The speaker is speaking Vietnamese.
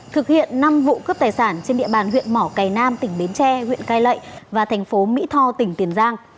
thực hiện năm vụ cướp tài sản trên địa bàn huyện mỏ cầy nam tỉnh bến tre huyện cai lậy và thành phố mỹ tho tỉnh tiền giang